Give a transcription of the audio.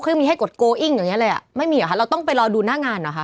ยังมีให้กดโกอิ้งอย่างเงี้เลยอ่ะไม่มีเหรอคะเราต้องไปรอดูหน้างานเหรอคะ